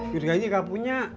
gergaji gak punya